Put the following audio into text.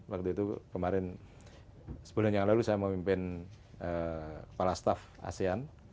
waktu itu kemarin sebulan yang lalu saya memimpin kepala staff asean